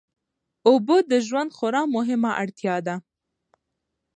اوبه د ژوند خورا مهمه اړتیا ده.